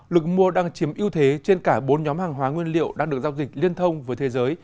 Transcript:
lực mua đang chiếm ưu thế trên cả bốn nhóm hàng hóa nguyên liệu đang được giao dịch liên thông với thế giới